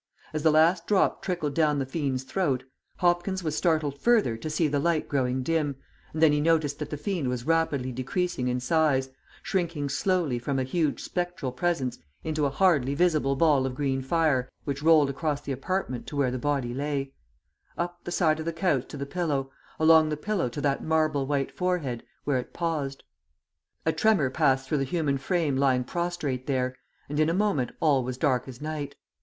As the last drop trickled down the fiend's throat, Hopkins was startled further to see the light growing dim, and then he noticed that the fiend was rapidly decreasing in size, shrinking slowly from a huge spectral presence into a hardly visible ball of green fire which rolled across the apartment to where the body lay; up the side of the couch to the pillow; along the pillow to that marble white forehead, where it paused. A tremor passed through the human frame lying prostrate there, and in a moment all was dark as night.